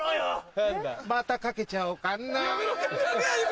またかけちゃおうかな！